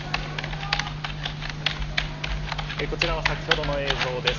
こちらは先ほどの映像です。